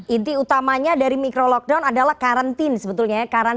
inti utamanya dari micro lockdown adalah quarantine sebetulnya ya